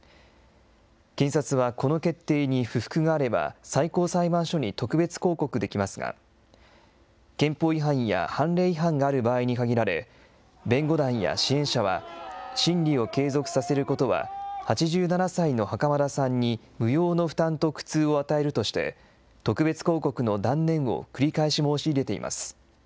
検察はこの決定に不服があれば、最高裁判所に特別抗告できますが、憲法違反や判例違反がある場合に限られ、弁護団や支援者は、審理を継続させることは、８７歳の袴田さんに無用の負担と苦痛を与えるとして、特別抗告の断念を繰り返し申し入れています。